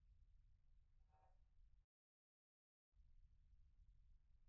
د پرېکړو بې ثباتي زیان رسوي